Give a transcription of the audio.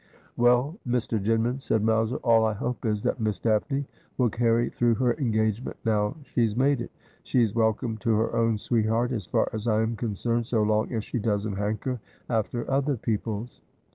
' Well, Mr. Jinman,' said Mowser, ' all I hope is, that Miss Daphne will carry through her engagement now s'ne's made it. She's welcome to her own sweetheart, as far as I am concerned, so long as she doesn't hanker after other people's.'